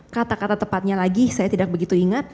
kata kata tepatnya lagi saya tidak begitu ingat